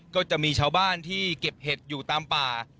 ก็จะมีชาวบ้านที่เก็บเห็ดอยู่ตามป่า